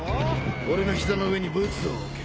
俺の膝の上にブツを置け。